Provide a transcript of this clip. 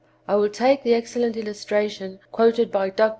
I will take the excellent illustration quoted by Dr. B.